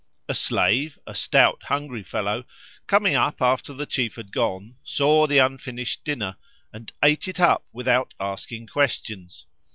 A slave, a stout, hungry fellow, coming up after the chief had gone, saw the unfinished dinner, and ate it up without asking questions.